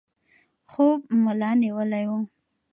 خوب ملا نیولی و.